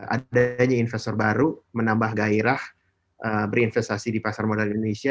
adanya investor baru menambah gairah berinvestasi di pasar modal indonesia